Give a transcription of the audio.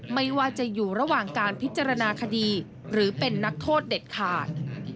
ไม่ว่าจะอยู่ระหว่างการพิจารณาคดีหรือเป็นนักโทษเด็ดขาด